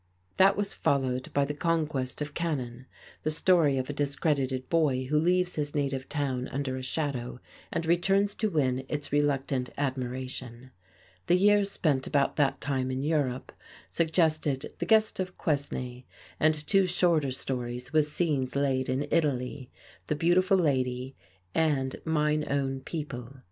That was followed by "The Conquest of Canaan," the story of a discredited boy who leaves his native town under a shadow, and returns to win its reluctant admiration. The years spent about that time in Europe suggested "The Guest of Quesnay," and two shorter stories with scenes laid in Italy, "The Beautiful Lady," and "Mine Own People."